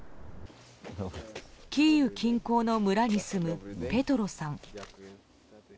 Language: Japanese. キーウ近郊の村に住むペトロさん。